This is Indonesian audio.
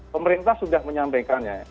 pemerintah sudah menyampaikannya